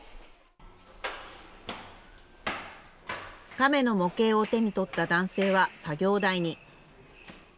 亀の模型を手に取った男性は作業台に。